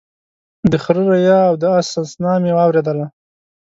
د خره ريا او د اس سسنا مې واورېدله